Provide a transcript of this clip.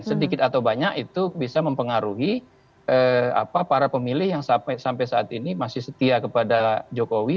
sedikit atau banyak itu bisa mempengaruhi para pemilih yang sampai saat ini masih setia kepada jokowi